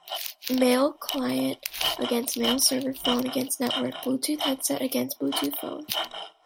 Mail-Client against Mail-server, phone against network, Bluetooth headset against Bluetooth phone.